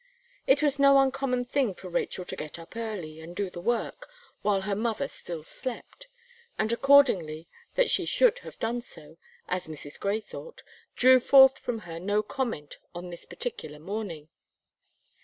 It was no uncommon thing for Rachel to get up early, and do the work, while her mother still slept; and, accordingly, that she should have done so, as Mrs. Gray thought, drew forth from her no comment on this particular morning.